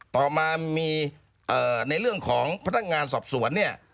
ต่อมามีในเรื่องของพนักงานสอบสวนเนี่ย